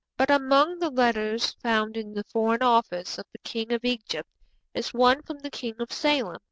But among the letters found in the Foreign Office of the king of Egypt, is one from the king of Salem.